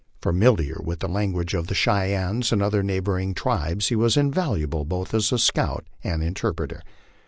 Familiar with the language of the Cheyennes and other neighboring tribes, he was invaluable both as a scout and interpreter.